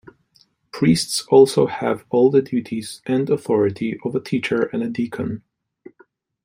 Priests also have all the duties and authority of a teacher and a deacon.